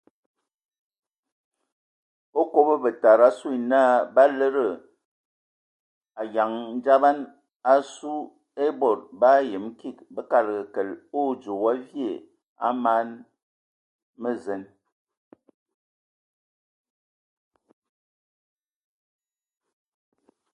Okoba bətada asu yə na ba lədə anyaŋ daba asue e bod ba yəm kig bə kadəga kəle odzoe wa vie a man mə zen.